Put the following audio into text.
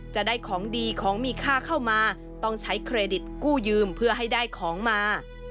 จะได้ของดีของมีค่าเข้ามาต้องใช้เครดิตกู้ยืมเพื่อให้ได้ของมา